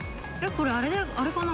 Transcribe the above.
これ、あれかな？